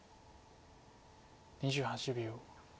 ２８秒。